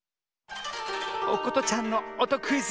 おことちゃんのおとクイズ